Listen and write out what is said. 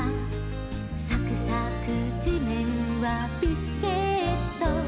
「さくさくじめんはビスケット」